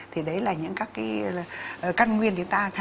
thì đấy là những các cái căn nguyên